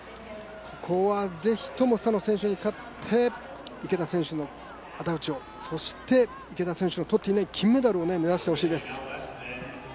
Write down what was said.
ここはぜひともスタノ選手に勝って池田選手のあだ討ちを、そして池田選手の取っていない金メダルを目指してほしいですね。